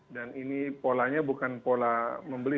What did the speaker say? dan ini polanya bukan pola membeli